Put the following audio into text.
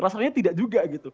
rasanya tidak juga gitu